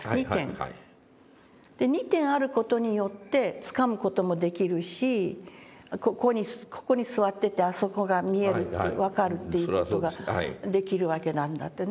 で２点ある事によってつかむ事もできるしここに座っててあそこが見えるって分かるっていう事ができるわけなんだってね。